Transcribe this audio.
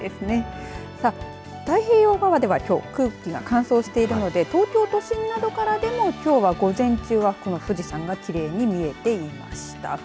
太平洋側では、きょう空気が乾燥しているので東京都心などからでもきょう午前中は、この富士山がきれいに見えていました。